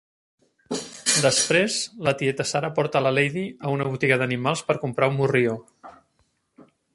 Després la tieta Sarah porta la Lady a una botiga d'animals per comprar un morrió.